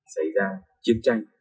xảy ra chiến tranh